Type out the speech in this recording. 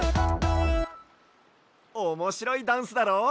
おもしろいダンスだろ？